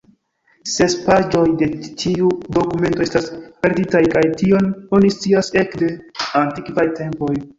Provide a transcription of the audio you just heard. Ses paĝoj de tiu dokumento estas perditaj, kaj tion oni scias ekde antikvaj tempoj.